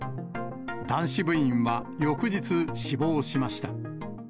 男子部員は翌日、死亡しました。